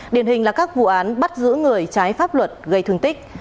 điển hình là các vụ án bắt giữ người trái pháp luật gây thương tích